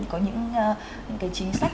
có những cái chính sách